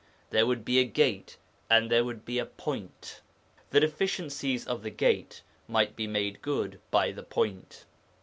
There would be a 'Gate' and there would be a 'Point.' The deficiencies of the 'Gate' might be made good by the 'Point.'